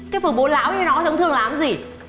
cái phụ bố lão như nó thì ông thương làm cái gì